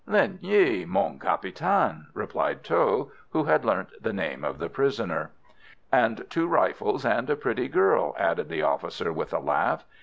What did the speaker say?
"Linh Nghi, mon capitaine," added Tho, who had learnt the name of the prisoner. "And two rifles, and a pretty girl," added the officer with a laugh.